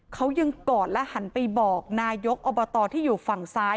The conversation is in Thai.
เขายังกอดและหันไปบอกนายกอบตที่อยู่ฝั่งซ้าย